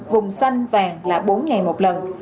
vùng xanh vàng là bốn ngày một lần